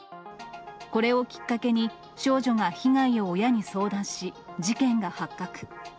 これをきっかけに、少女が被害を親に相談し、事件が発覚。